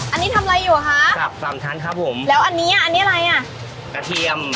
อันนี้ทำอะไรอยู่อะคะครับสามชั้นครับผมแล้วอันนี้อันนี้อะไรอะกระเทียม